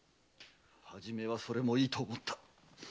初めはそれもいいと思った。